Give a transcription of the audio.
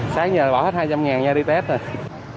sáng giờ bỏ hết hai trăm linh nha đi test rồi